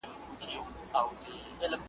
ټولنپوهنه د انسانیت د خدمت لپاره ده.